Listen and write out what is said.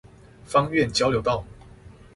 芳苑交流道